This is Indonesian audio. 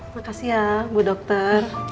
makasih ya bu dokter